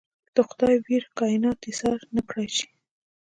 د خدای ویړ کاینات ایسار نکړای شي.